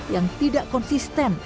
yang tidak konsisten